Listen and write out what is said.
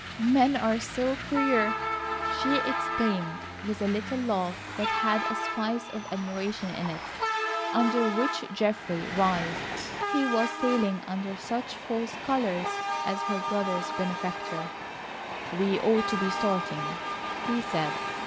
"Men are so queer!" she exclaimed with a little laugh that had a spice of admiration in it, under which Geoffrey writhed. He was sailing under such false colours as her brother's benefactor. "We ought to be starting," he said.